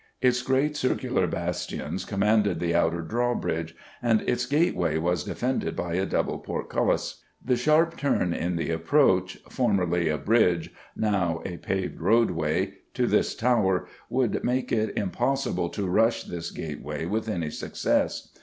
Its great circular bastions commanded the outer drawbridge, and its gateway was defended by a double portcullis. The sharp turn in the approach formerly a bridge, now a paved roadway to this Tower would make it impossible to "rush" this gateway with any success.